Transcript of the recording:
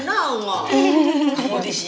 ini orang baru ditelepon dan nol